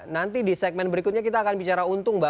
nanti di segmen berikutnya kita akan bicara untung mbak